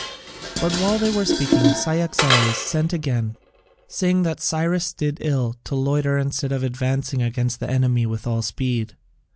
But while they were speaking, Cyaxares sent again, saying that Cyrus did ill to loiter instead of advancing against the enemy with all speed.